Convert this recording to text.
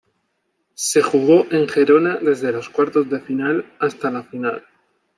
Se jugó en Gerona desde los cuartos de final hasta la final.